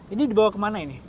ini dibawa kemana ini